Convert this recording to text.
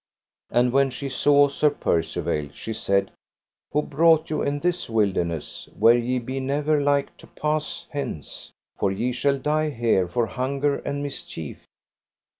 And when she saw Sir Percivale she said: Who brought you in this wilderness where ye be never like to pass hence, for ye shall die here for hunger and mischief?